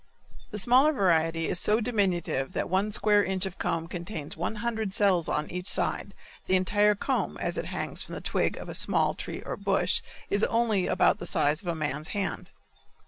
The smaller variety is so diminutive that one square inch of comb contains one hundred cells on each side; the entire comb, as it hangs from the twig of a small tree or bush, is only about the size of a man's hand.